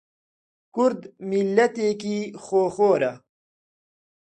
کورد میللەتێکی خۆخۆرە